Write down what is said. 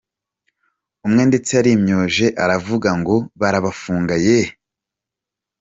Umwe ndetse yarimyoje aravuga ngo « Barabafunga ye !